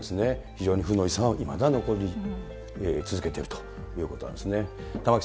非常に負の遺産はいまだ残り続けているということなんですね。